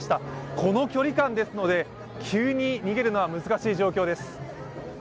この距離感ですので急に逃げるのは難しい状況です。